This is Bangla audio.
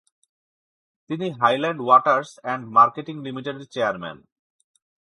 তিনি হাইল্যান্ড ওয়াটার্স অ্যান্ড মার্কেটিং লিমিটেডের চেয়ারম্যান।